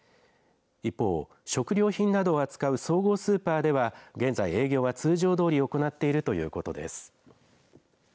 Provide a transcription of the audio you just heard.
一方、食料品などを扱う総合スーパーでは、現在、営業は通常どおり行っているということです。